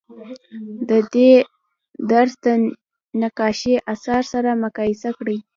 د دې درس د نقاشۍ اثار سره مقایسه کړئ.